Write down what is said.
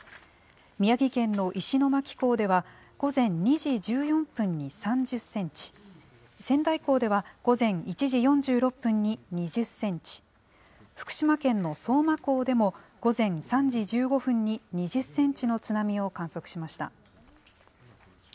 宮城県の石巻港では午前２時１４分に３０センチ、仙台港では午前１時４６分に２０センチ、福島県の相馬港でも午前３時１５分に２０センチの津波を観測しました。